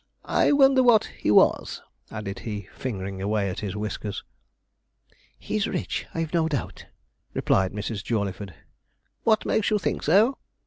'I wonder what he was?' added he, fingering away at his whiskers. 'He's rich, I've no doubt,' replied Mrs. Jawleyford. 'What makes you think so?'